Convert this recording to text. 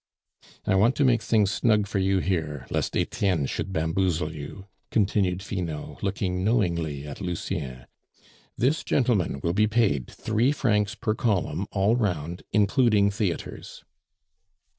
"I want to make things snug for you here, lest Etienne should bamboozle you," continued Finot, looking knowingly at Lucien. "This gentleman will be paid three francs per column all round, including theatres."